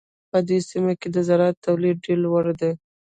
په دې سیمه کې د زراعت تولیدات ډېر لوړ دي.